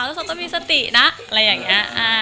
รู้สึกจะมีสตินะอะไรอย่างนี้